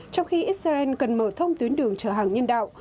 trong khi israel cần mở thông tuyến đường trợ hàng nhân đạo